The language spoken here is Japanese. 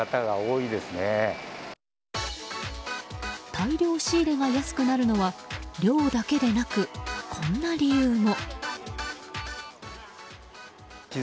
大量仕入れが安くなるのは量だけでなく、こんな理由も。